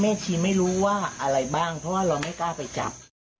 ชีไม่รู้ว่าอะไรบ้างเพราะว่าเราไม่กล้าไปจับ